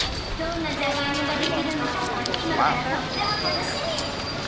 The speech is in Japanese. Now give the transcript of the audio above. どんなじゃがいもができるのかいまからとっても楽しみ！